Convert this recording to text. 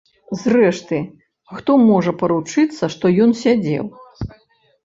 Зрэшты, хто можа паручыцца, што ён сядзеў.